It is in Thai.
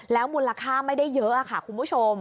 มูลค่าไม่ได้เยอะค่ะคุณผู้ชม